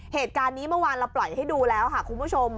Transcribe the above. เหตุการณ์นี้เมื่อวานเราปล่อยให้ดูแล้วค่ะคุณผู้ชม